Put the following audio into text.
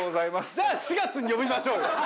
じゃあ４月に呼びましょうよ！